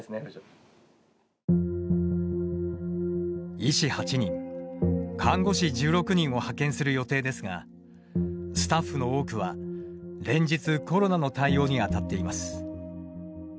医師８人、看護師１６人を派遣する予定ですがスタッフの多くは、連日コロナの対応に当たっています。